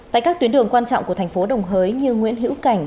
tại các tuyến đường quan trọng của thành phố đồng hới như nguyễn hữu cảnh